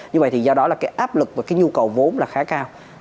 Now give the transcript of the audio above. như vậy thì do đó là cái áp lực và cái nhu cầu vốn là khá cao